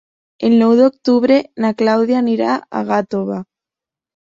El nou d'octubre na Clàudia anirà a Gàtova.